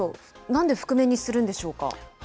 なんで覆面にするんでしょうか。